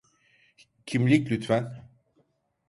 Kimlik lütfen.